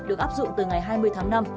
được áp dụng từ ngày hai mươi tháng năm